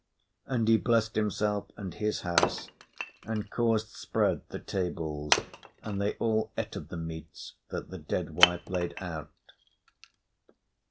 And he blessed himself and his house, and caused spread the tables, and they all ate of the meats that the dead wife laid out.